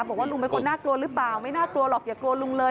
บอกว่าลุงเป็นคนน่ากลัวหรือเปล่าไม่น่ากลัวหรอกอย่ากลัวลุงเลย